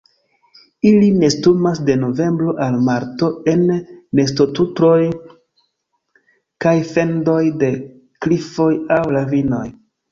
Ili nestumas de novembro al marto en nestotruoj kaj fendoj de klifoj aŭ ravinoj.